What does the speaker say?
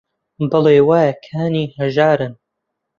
بەڵێ: وایە کانی هەژارن